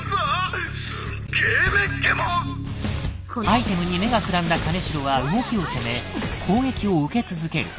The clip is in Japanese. アイテムに目がくらんだ金城は動きを止め攻撃を受け続ける。